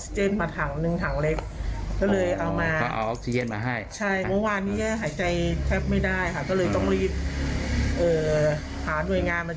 มีฟ้าทรายโจรกระชายค่ะ